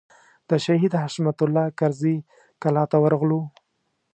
د شهید حشمت الله کرزي کلا ته ورغلو.